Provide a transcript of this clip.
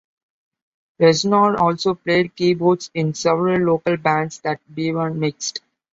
Reznor also played keyboards in several local bands that Beavan mixed.